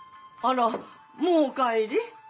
あらもうお帰り？